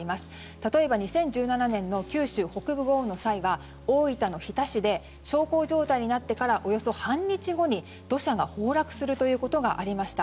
例えば、２０１７年の九州北部豪雨の際は大分の日田市で小康状態になってからおよそ半日後に土砂が崩落することがありました。